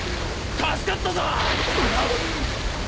助かったぞ！